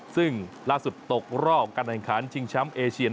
ซึ่งล่าสุดตกรอบการแข่งขันชิงแชมป์เอเชีย